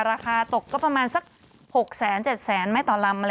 ราคาตกก็ประมาณสัก๖๗แสนไม่ต่อลำอะไรอย่างนี้